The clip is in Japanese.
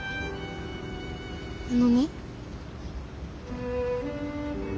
あのね。